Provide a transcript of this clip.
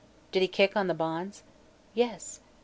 "Did he kick on the bonds?" "Yes."